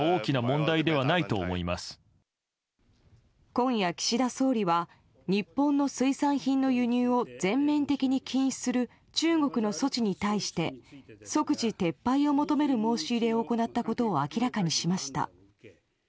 今夜、岸田総理は日本の水産品の輸入を全面的に禁止する中国の措置に対して即時撤廃を求める申し入れを行ったことを明らかにしました。